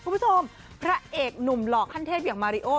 พระเอกหนุ่มหล่อขั้นเทพอย่างมาริโอ